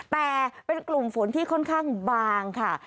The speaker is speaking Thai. แต่เป็นกลุ่มฝนที่ค่อนข้างบางค่ะ